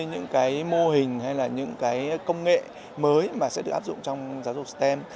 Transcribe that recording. những cái mô hình hay là những cái công nghệ mới mà sẽ được áp dụng trong giáo dục stem